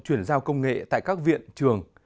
chuyển giao công nghệ tại các viện trường